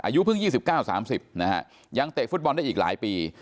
อายุเพิ่งยี่สิบเก้าสามสิบนะฮะยังเตะฟุตบอลได้อีกหลายปี